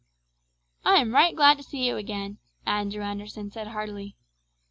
"I am right glad to see you again," Andrew Anderson said heartily.